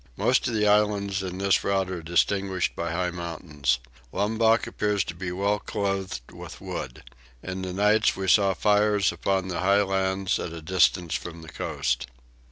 Most of the islands in this route are distinguished by high mountains. Lombok appears to be well clothed with wood. In the nights we saw fires upon the high lands at a distance from the coast.